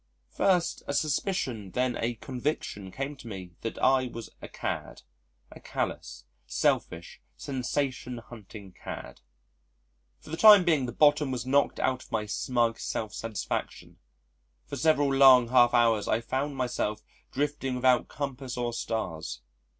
First a suspicion then a conviction came to me that I was a cad a callous, selfish, sensation hunting cad.... For the time being the bottom was knocked out of my smug self satisfaction. For several long half hours I found myself drifting without compass or stars.